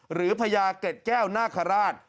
พญาเกร็ดแก้วนาคาราช